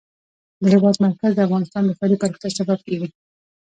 د هېواد مرکز د افغانستان د ښاري پراختیا سبب کېږي.